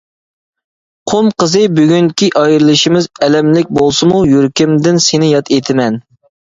قۇم قىزى بۈگۈنكى ئايرىلىشىمىز ئەلەملىك بولسىمۇ يۈرىكىمدىن سېنى ياد ئېتىمەن.